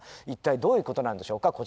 一体どういうことなんでしょうか。